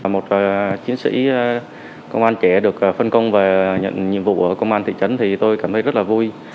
một chiến sĩ công an trẻ được phân công về nhận nhiệm vụ ở công an thị trấn thì tôi cảm thấy rất là vui